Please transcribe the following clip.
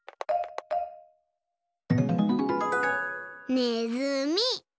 ねずみ。